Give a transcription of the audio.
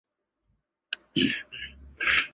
他曾就读于牛津大学圣约翰学院。